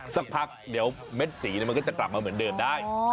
สักพักเดี๋ยวเม็ดสีมันก็จะกลับมาเหมือนเดิมได้